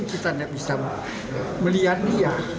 kita tidak bisa melihatnya